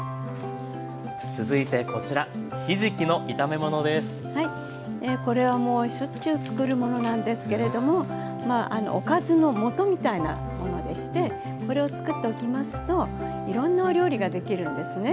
続いてこちらはいこれはもうしょっちゅう作るものなんですけれどもおかずのもとみたいなものでしてこれを作っておきますといろんなお料理ができるんですね。